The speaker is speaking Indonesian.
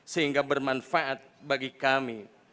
sehingga bermanfaat bagi kami